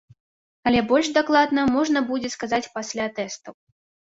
Але больш дакладна можна будзе сказаць пасля тэстаў.